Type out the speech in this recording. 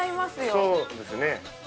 そうですね。